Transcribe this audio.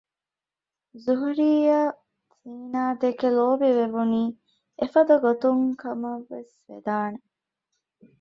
ޒުހުރީއަށް ޒީނާދެކެ ލޯބިވެވުނީ އެފަދަގަތަކުން ކަމަށްވެސް ވެދާނެ